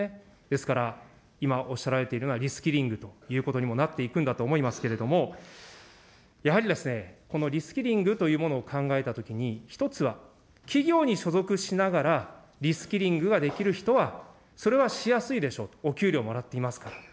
ですから、今、おっしゃられているのは、リスキリングということにもなっていくんだと思いますけれども、やはり、このリスキリングというものを考えたときに、１つは、企業に所属しながらリスキリングができる人は、それはしやすいでしょうと、お給料もらっていますから。